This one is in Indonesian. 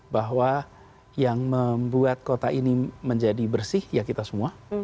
bahwa yang membuat kota ini menjadi bersih ya kita semua